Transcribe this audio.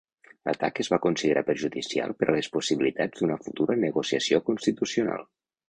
L'atac es va considerar perjudicial per a les possibilitats d'una futura negociació constitucional.